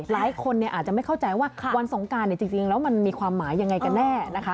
หลายคนอาจจะไม่เข้าใจว่าวันสงการจริงแล้วมันมีความหมายยังไงกันแน่นะคะ